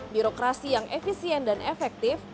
birokrasi yang efisien dan efektif